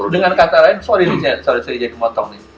dengan kata lain sorry sorry saya jadi motong nih